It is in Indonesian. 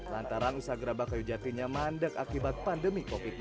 lantaran usaha gerabah kayu jatinya mandek akibat pandemi covid sembilan belas